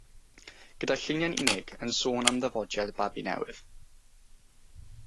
Gyda lluniau'n unig, yn sôn am ddyfodiad babi newydd.